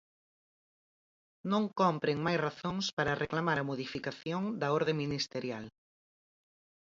Non cómpren máis razóns para reclamar a modificación da orde ministerial.